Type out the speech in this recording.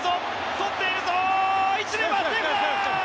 とっているぞ１塁はセーフだ！